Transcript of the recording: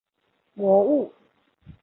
魔物不能烧毁自己的书。